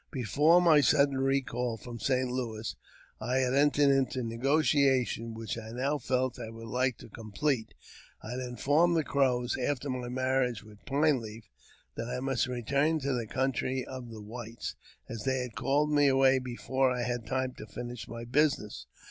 Before my sudden recall from St. Louis I had entered into negotiations which I now felt I would like to complete. I had informed the Crows, after my marriage with Pine Leaf, that I must return to the country of the whites, as they had called me away before I had had time to fi:nish my business.